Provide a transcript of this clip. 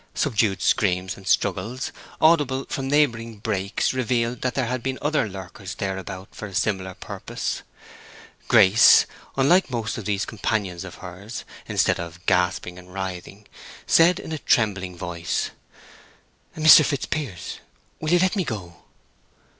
Subdued screams and struggles, audible from neighboring brakes, revealed that there had been other lurkers thereabout for a similar purpose. Grace, unlike most of these companions of hers, instead of gasping and writhing, said in a trembling voice, "Mr. Fitzpiers, will you let me go?"